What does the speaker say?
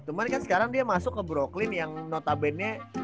cuman kan sekarang dia masuk ke broklin yang notabene